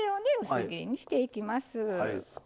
薄切りにしていきます。